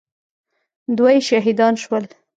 دوه يې شهيدان سول.